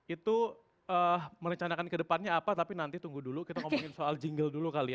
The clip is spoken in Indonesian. itu merencanakan ke depannya apa tapi nanti tunggu dulu kita ngomongin soal jingle dulu kali ya